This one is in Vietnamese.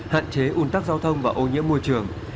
hạn chế ủn tắc giao thông và ô nhiễm môi trường